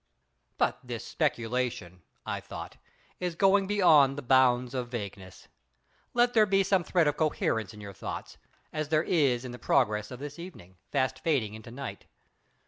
But this speculation—I thought—is going beyond the bounds of vagueness. Let there be some thread of coherence in your thoughts, as there is in the progress of this evening, fast fading into night.